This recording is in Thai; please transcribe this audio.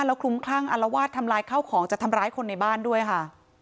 แล้วคลุ้มคลั่งอารวาสทำลายข้าวของจะทำร้ายคนในบ้านด้วยค่ะ